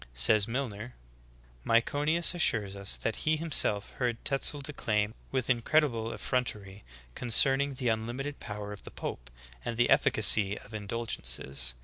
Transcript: Says Milncr : "Myconius assures us that he himself heard Tetzel declaim with incredi ble effrontery concerning the unlimited power of the pope and the efficacy of indulgences.